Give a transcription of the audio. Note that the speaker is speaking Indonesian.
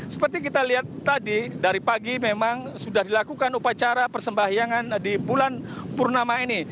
seperti kita lihat tadi dari pagi memang sudah dilakukan upacara persembahyangan di bulan purnama ini